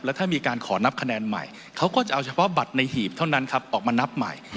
ถ้ามีการขอนับคะแนนใหม่เขาก็จะเอาเฉพาะบัตรในหีบเท่านั้นครับออกมานับใหม่